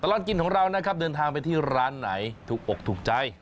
ตลอดกินของเรานะครับเดินทางไปที่ร้านไหนถูกอกถูกใจ